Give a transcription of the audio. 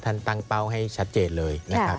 ตั้งเป้าให้ชัดเจนเลยนะครับ